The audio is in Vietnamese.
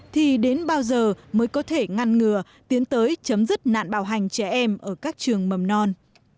thì đến bao giờ mới có thể ngăn ngừa tiến tới chấm dứt nạn bạo hành trẻ em ở các trường mầm non